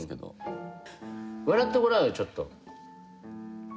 笑ってごらんよちょっと。